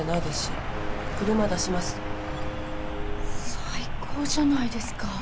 最高じゃないですか。